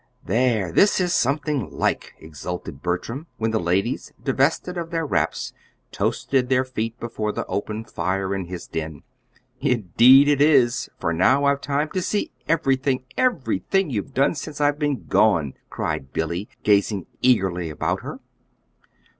"There, this is something like," exulted Bertram, when the ladies, divested of their wraps, toasted their feet before the open fire in his den. "Indeed it is, for now I've time to see everything everything you've done since I've been gone," cried Billy, gazing eagerly about her.